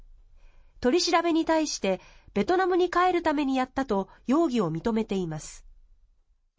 取り調べに対してベトナムに帰るためにやったと容疑を認めています。